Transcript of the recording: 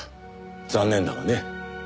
残念だがね。